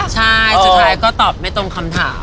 ใช่สุดท้ายก็ตอบไม่ตรงคำถาม